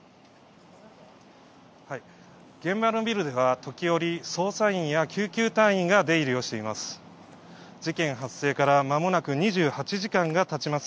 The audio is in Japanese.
現場のビルでは時折、捜査員や救急隊員が出入りをしています。